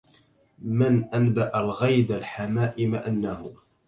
من أنبأ الغيد الحمائم أنه